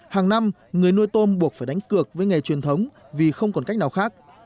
hàng năm người nuôi tôm buộc phải đánh cược với nghề truyền thống vì không còn cách nào khác